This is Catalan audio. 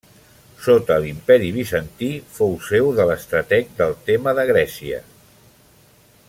Sota l'imperi Bizantí fou seu de l'estrateg del tema de Grècia.